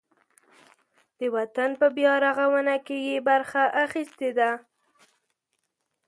د وطن په بیارغاونه کې یې برخه اخیستې ده.